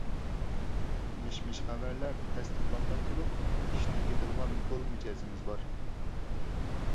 مىش-مىش خەۋەرلەر تەستىقلانماي تۇرۇپ ئىشىنىپ كېتىدىغان گول مىجەزىمىز بار.